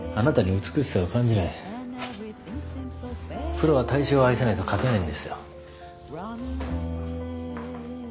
プロは対象を愛せないと描けないんですよ。